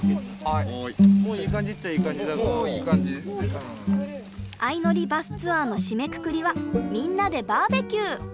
あいのりバスツアーの締めくくりはみんなでバーベキュー。